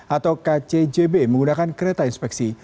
atau kcjb menggunakan kereta inspeksi